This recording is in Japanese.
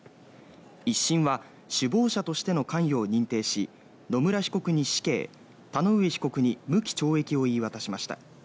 １審は首謀者としての関与を認定し野村被告に死刑田上被告に無期懲役を言い渡しました。